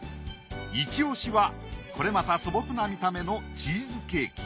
一押しはこれまた素朴な見た目のチーズケーキ。